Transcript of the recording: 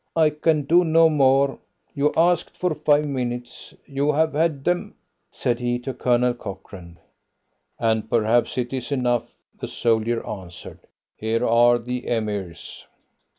"I can do no more; you asked for five minutes. You have had them," said he to Colonel Cochrane. "And perhaps it is enough," the soldier answered. "Here are the Emirs."